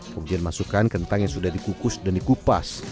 kemudian masukkan kentang yang sudah dikukus dan dikupas